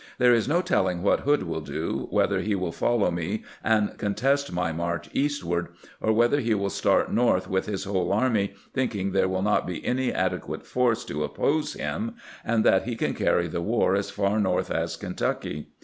There is no telling what Hood will do, whether he will follow me and contest my march eastward, or whether he will start north with his whole army, thinking there will not be any adequate force to oppose him, and that he can carry the war as far north as Kentucky.